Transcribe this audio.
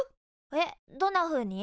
えっどんなふうに？